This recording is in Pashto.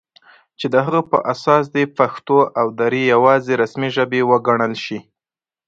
چې د هغه په اساس دې پښتو او دري یواځې رسمي ژبې وګڼل شي